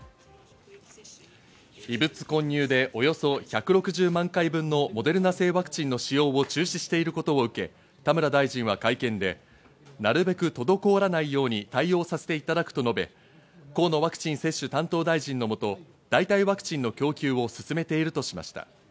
異物混入でおよそ１６０万回分のモデルナ製ワクチンの使用の中止していることを受け、田村大臣は会見で、なるべく滞らないように対応させていただくと述べ、河野ワクチン接種担当大臣のもと、代替ワクチンの供給を進めているとしました。